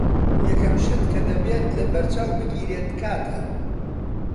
یەکەم شت کە دەبێت لەبەرچاو بگیرێت کاتە.